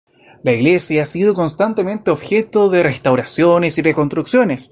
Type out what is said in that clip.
La iglesia ha sido constantemente objeto de restauraciones y reconstrucciones.